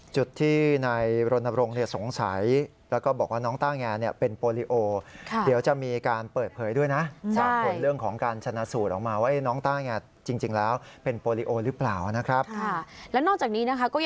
จุดที่ในรณรงค์เนี่ยสงสัยแล้วก็บอกว่าน้องต้าแง่เนี่ยเป็นโปรลีโอ